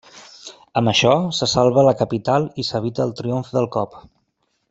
Amb això, se salva la capital i s'evita el triomf del cop.